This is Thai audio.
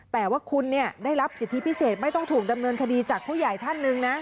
แต่ว่าคุณได้รับสิทธิพิเศษไม่ต้องถูกดำเนินคดีจากผู้ใหญ่ท่านหนึ่งนะ